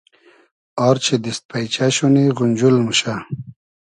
آر چی دیست پݷچۂ شونی غونجول موشۂ